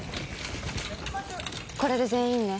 これで全員ね。